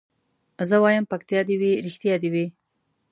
زه وايم پکتيا دي وي رښتيا دي وي